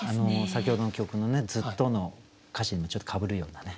先ほどの曲のね「ＺＵＴＴＯ」の歌詞にもちょっとかぶるようなね。